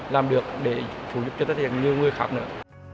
làm được để phù hợp cho tất cả những người khác nữa